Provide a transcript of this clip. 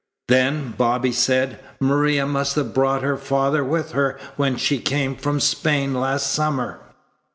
"Then," Bobby said, "Maria must have brought her father with her when she came from Spain last summer."